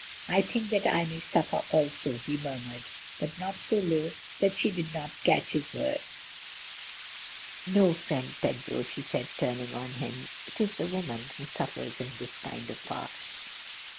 "I think that I may suffer also," he murmured, but not so low that she did not catch his words. "No, friend Pedro," she said, turning on him, "it is the woman who suffers in this kind of farce.